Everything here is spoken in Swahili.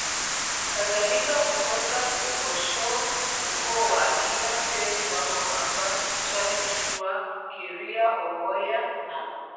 kadhalika hutoka KiboshoUkoo wa akina Teri wako Mamba Chami Chuwa Kiria Owoya na